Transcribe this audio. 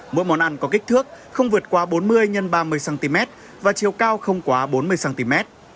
mỗi món ăn có kích thước không vượt qua bốn mươi x ba mươi cm và chiều cao không quá bốn mươi cm